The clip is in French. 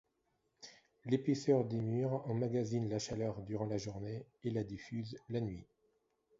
L'épaisseur des murs emmagasine la chaleur durant la journée et la diffuse la nuit.